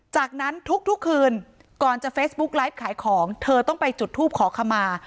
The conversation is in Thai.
จากนั้นทุกคืนก่อนจะเฟซบุ๊กไลฟ์ขายของเธอต้องไปจุดทูปขอขมา